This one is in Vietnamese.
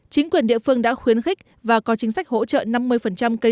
chính quyền địa phương đã khuyến khích và có chính sách hỗ trợ năm mươi cây